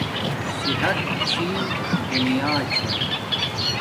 صحت چھی دونیا چھا